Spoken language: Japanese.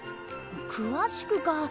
詳しくか。